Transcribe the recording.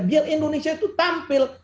biar indonesia itu tampil